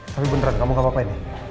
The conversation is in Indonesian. tapi beneran kamu gak apa apain ya